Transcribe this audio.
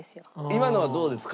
今のはどうですか？